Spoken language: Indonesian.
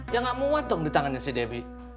ya gak muat dong di tangannya si debbie